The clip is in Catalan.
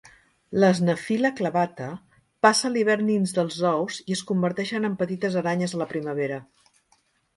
Les "nephila clavata" passen l'hivern dins dels ous i es converteixen en petites aranyes a la primavera.